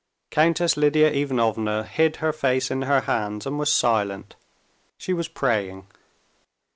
Countess Lidia Ivanovna hid her face in her hands and was silent. She was praying.